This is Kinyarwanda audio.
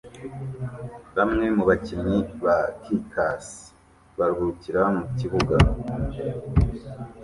Bamwe mu bakinnyi ba Caucase baruhukira mu kibuga